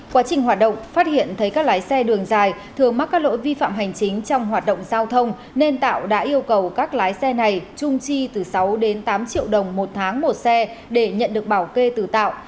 quá trình hoạt động phát hiện thấy các lái xe đường dài thường mắc các lỗi vi phạm hành chính trong hoạt động giao thông nên tạo đã yêu cầu các lái xe này trung chi từ sáu đến tám triệu đồng một tháng một xe để nhận được bảo kê từ tạo